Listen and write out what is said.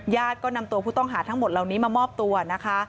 ก็นำตัวผู้ต้องหาทั้งหมดเหล่านี้มามอบตัวนะคะ